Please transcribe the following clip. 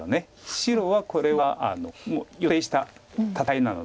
白はこれは予定した戦いなので。